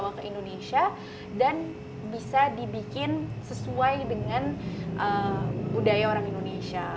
bawa ke indonesia dan bisa dibikin sesuai dengan budaya orang indonesia